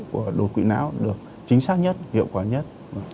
của đột quỵ não được chính xác nhất hiệu quả nhất